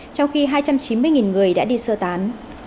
trong khi hai trăm chín mươi người đã đi sơ tán